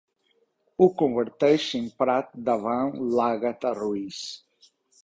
Ho converteix en prat davant l'Agatha Ruiz.